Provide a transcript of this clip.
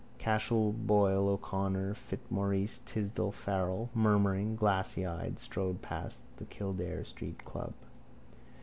Cashel Boyle O'Connor Fitzmaurice Tisdall Farrell, murmuring, glassyeyed, strode past the Kildare street club.